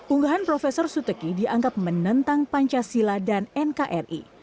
unggahan profesor suteki dianggap menentang pancasila dan nkri